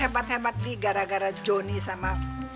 hepat hepat nih gara gara joni sama